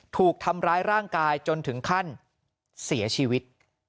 ถูกทำร้ายร่างกายจนถึงขั้นเสียชีวิต